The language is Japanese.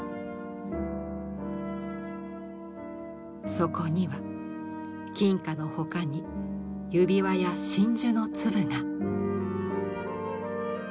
そこには金貨の他に指輪や真珠の粒が。